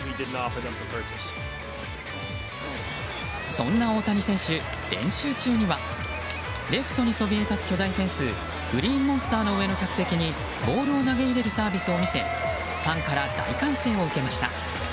そんな大谷選手、練習中にはレフトにそびえ立つ巨大フェンスグリーンモンスターの上の客席にボールを投げ入れるサービスを見せファンから大歓声を受けました。